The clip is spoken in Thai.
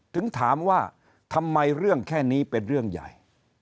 ถึงถามว่าทำไมเรื่องแค่นี้เป็นเรื่องใหญ่